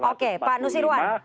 oke pak nusirwan